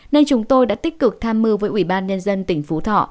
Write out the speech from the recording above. nên chúng tôi đã tích cực tham mưu với ủy ban nhân dân tỉnh phú thọ